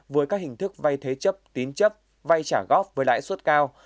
với các hình thức vay thế chấp tín chấp vay trả góp với lãi suất cao